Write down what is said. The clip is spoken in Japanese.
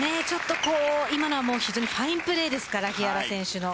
今のは非常にファインプレーですから木原選手の。